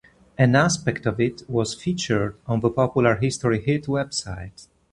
An aspect of it was featured on the popular History Hit website.